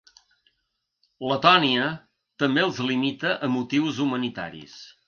Letònia també els limita a motius humanitaris.